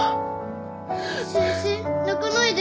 先生泣かないで。